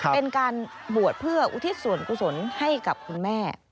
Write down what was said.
เป็นการบวชเพื่ออุทิศส่วนกุศลให้กับคุณแม่